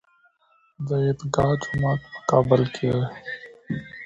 د عیدګاه جومات په کابل کې دی